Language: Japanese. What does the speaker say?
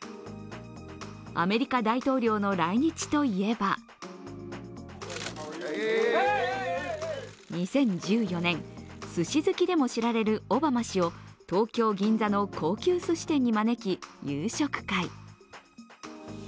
アメリカ大統領の来日といえば２０１４年、すし好きでも知られるオバマ氏を東京・銀座の高級すし店に招き夕食会。